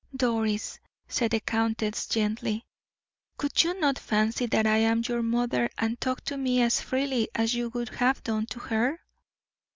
"Doris," said the countess, gently, "could you not fancy that I am your mother, and talk to me as freely as you would have done to her?"